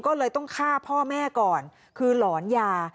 ก็เลยต้องฆ่าพ่อแม่ก่อนคือหลอนยา